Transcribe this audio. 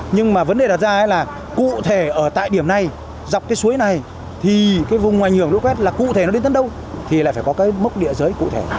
nhưng mà vấn đề đặt ra là cụ thể ở tại điểm này dọc cái suối này thì cái vùng ảnh hưởng lũ quét là cụ thể nó đến đến đâu thì lại phải có cái mốc địa giới cụ thể